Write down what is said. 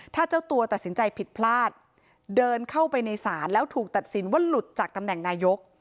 ถ้าเจ้าตัวตัดสินใจผิดพลาดเดินเข้าไปในศาลแล้วถูกตัดสินว่าหลุดจากตำแหน่งนายก